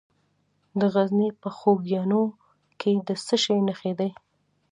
د غزني په خوږیاڼو کې د څه شي نښې دي؟